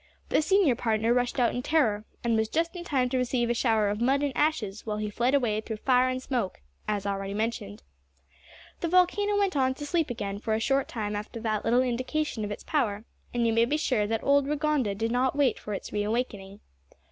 The senior partner rushed out in terror, and was just in time to receive a shower of mud and ashes while he fled away through fire and smoke, as already mentioned. The volcano went to sleep again for a short time after that little indication of its power, and you may be sure that old Rigonda did not wait for its reawakening.